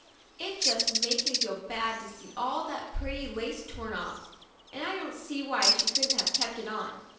It just makes me feel bad to see all that pretty lace torn off, and I don't see why she couldn't have kept it on.